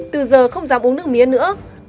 từ giờ không dám uống nước mía nữa